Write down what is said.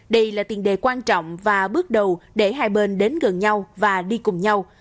đây là tiền đề quan trọng và bước đầu để hai bên đến gần nhau và đi cùng nhau